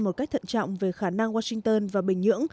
một cách thận trọng về khả năng washington và bình nhưỡng